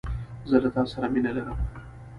زه له تاسو سره مينه لرم